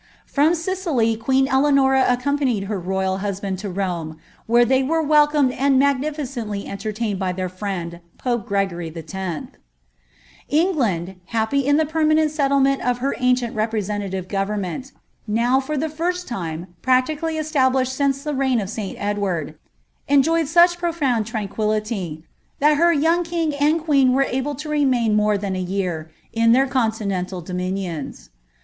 From Sicily queen Eleanora accompanied her royal husband to Rome, lere they were welcomed and magnificently entertained by their friend, M Gregory X. England, happy in the permanent setdement of her ancient representa«' B government, now, for the first time, practically established since the p of Sl Edward, enioyed such profound tranquillity, that her youn^ ig and queen were able to remain more than a year, in their conti ital dominions.